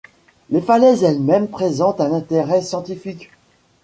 Les falaises elles-mêmes présentent un intérêt scientifique.